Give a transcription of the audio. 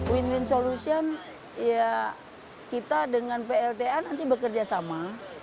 win win solution ya kita dengan plta nanti bekerja sama